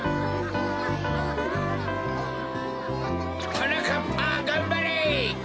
はなかっぱがんばれ。